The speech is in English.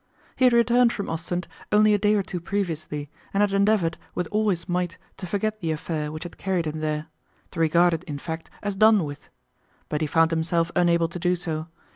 He had returned from Ostend only a day or two previously, and had endeavoured with all his might to forget the affair which had carried him there to regard it, in fact, as done with. But he found himself unable to do so.